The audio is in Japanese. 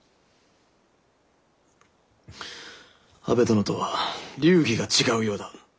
安部殿とは流儀が違うようだ。